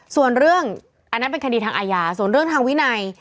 ส่วนเรื่องอันนั้นเป็นคดีทางอาญาส่วนเรื่องทางวินัย